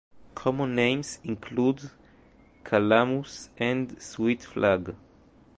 Common names include calamus and sweet flag.